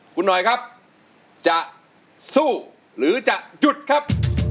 คุณหน่อยครับจะสู้หรือจะหยุดครับ